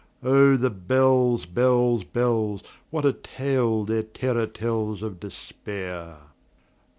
Oh, the bells, bells, bells! What a tale their terror tellsOf Despair!